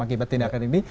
akibat tindakan ini